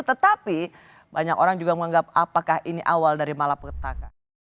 tetapi banyak orang juga menganggap apakah ini awal dari malapetaka